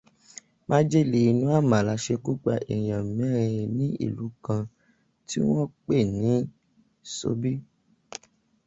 Májèlé inú àmàlà ṣekúpa èèyàn mẹ́rin ní ìlú kan tí wọ́n pè ní Sobí